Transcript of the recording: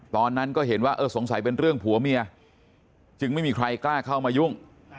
ตอนนั้นก็เห็นว่าเออสงสัยเป็นเรื่องผัวเมียจึงไม่มีใครกล้าเข้ามายุ่ง